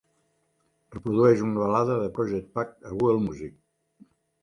Reprodueix una balada de Project Pat a Google Music.